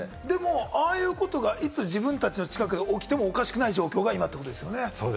ああいうことがいつ自分の近くで起きてもおかしくない状況だったということですね。